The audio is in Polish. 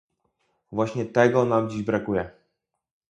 Właśnie tego nam dziś brakuje